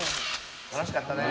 楽しかったね。